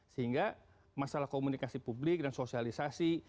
sehingga masalah komunikasi publik dan sosialisasi